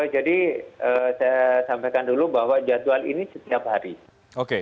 jadi saya sampaikan dulu bahwa jadwal ini setiap hari